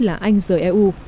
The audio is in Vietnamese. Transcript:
là anh rời eu